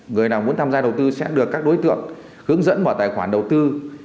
người nào muốn tham gia đầu tư sẽ được các đối tượng hướng dẫn mở tài khoản đầu tư